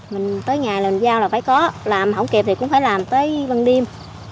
mình tới nhà là mình giao là phải có làm không kịp thì cũng phải làm tới bằng đêm